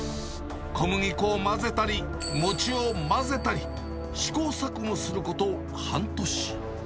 小麦粉を混ぜたり、餅を混ぜたり、試行錯誤すること半年。